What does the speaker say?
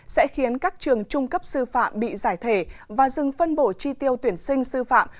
sẽ khiến các trường trung cấp sư phạm bị giải thể và dừng phân bổ chi tiêu tuyển sinh sư phạm